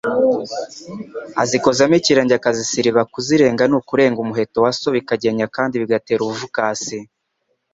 azikozamo ikirenge akazisiriba, kuzirenga ni ukurenga umuheto wa so bigakenya kandi bigatera ubuvukasi